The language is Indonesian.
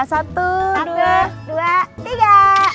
satu dua tiga